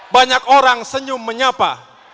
banyak orang senyum menyapa